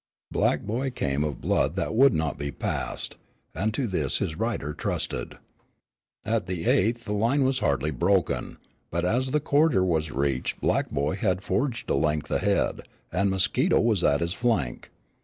Black Boy came of blood that would not be passed, and to this his rider trusted. At the eighth the line was hardly broken, but as the quarter was reached Black Boy had forged a length ahead, and Mosquito was at his flank.